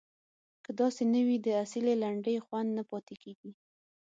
که داسې نه وي د اصیلې لنډۍ خوند نه پاتې کیږي.